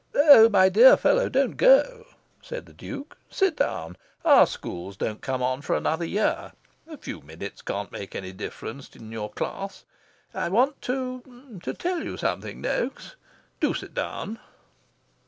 "Oh, my dear fellow, don't go," said the Duke. "Sit down. Our Schools don't come on for another year. A few minutes can't make a difference in your Class. I want to to tell you something, Noaks. Do sit down."